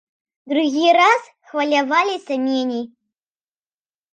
Другі раз хваляваліся меней.